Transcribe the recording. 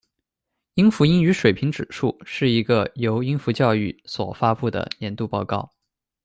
英孚英语水平指数是一个由英孚教育所发布的年度报告。